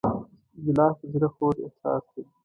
ګیلاس د زړه خوږ احساس دی.